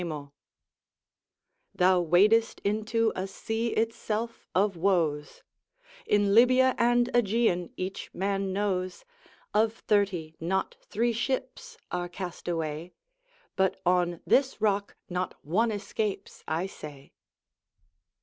Thou wadest into a sea itself of woes; In Libya and Aegean each man knows Of thirty not three ships are cast away, But on this rock not one escapes, I say.